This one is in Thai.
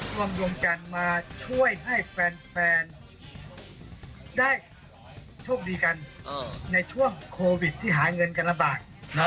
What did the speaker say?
รวมดวงจันทร์มาช่วยให้แฟนได้โชคดีกันในช่วงโควิดที่หาเงินกันลำบาก